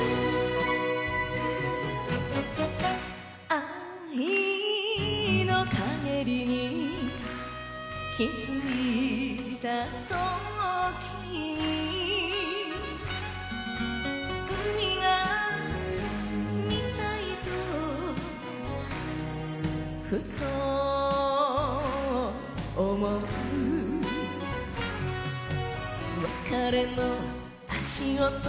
愛のかげりに気づいた時に海が見たいとふと思う別れの足音